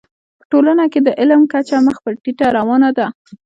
په ټولنه کي د علم کچه مخ پر ټيټه روانه ده.